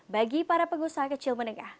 bagi para pengusaha kecil menengah